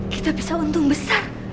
kita bisa untung besar